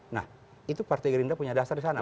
nah itu partai gerindra punya dasar di sana